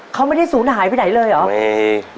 เขาไม่ได้ศูนย์หายไปไหนเลยเหรอ